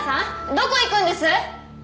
どこ行くんです？